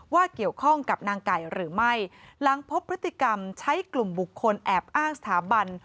เกี่ยวข้องกับนางไก่หรือไม่หลังพบพฤติกรรมใช้กลุ่มบุคคลแอบอ้างสถาบัน